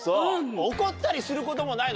怒ったりすることもないの？